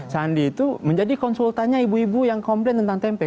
sandi itu menjadi konsultannya ibu ibu yang komplain tentang tempe